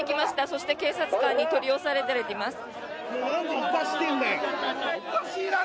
そして警察官に取り押さえられています。